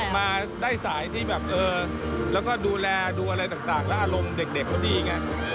มาได้สายที่แบบเออแล้วก็ดูแลดูอะไรต่างแล้วอารมณ์เด็กเขาดีไง